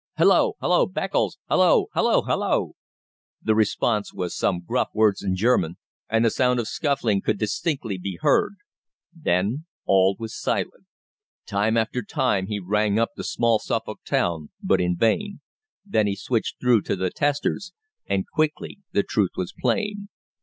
"Halloa halloa, Beccles! Halloa halloa halloa!" The response was some gruff words in German, and the sound of scuffling could distinctly be heard. Then all was silent. Time after time he rang up the small Suffolk town, but in vain. Then he switched through to the testers, and quickly the truth was plain.